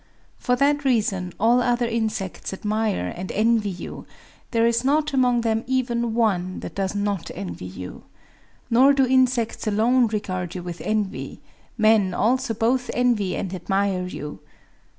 For that reason all other insects admire and envy you;—there is not among them even one that does not envy you. Nor do insects alone regard you with envy: men also both envy and admire you.